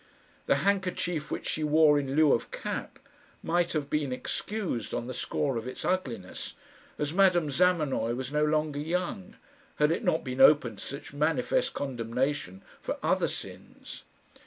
The handkerchief which she wore in lieu of cap, might have been excused on the score of its ugliness, as Madame Zamenoy was no longer young, had it not been open to such manifest condemnation for other sins.